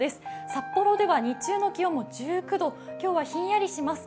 札幌では日中の気温も１９度、今日はひんやりします。